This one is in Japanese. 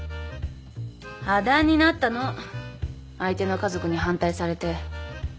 破談になったの相手の家族に反対されて